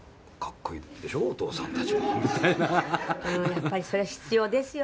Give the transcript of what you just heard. やっぱりそれは必要ですよね。